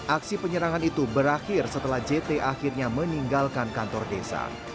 aksi penyerangan itu berakhir setelah jt akhirnya meninggalkan kantor desa